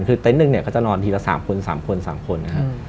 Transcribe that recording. คือเต็นต์หนึ่งเนี่ยก็จะนอนทีละ๓คน๓คน๓คนนะครับ